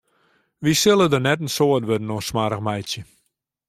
Wy sille der net in soad wurden oan smoarch meitsje.